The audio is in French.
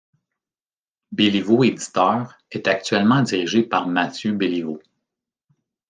Béliveau Éditeur est actuellement dirigé par Mathieu Béliveau.